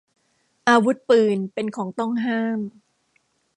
อาวุธปืน เป็นของต้องห้าม